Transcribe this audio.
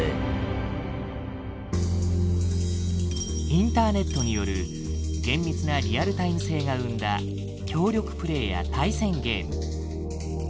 インターネットによる厳密なリアルタイム性が生んだ協力プレイや対戦ゲーム。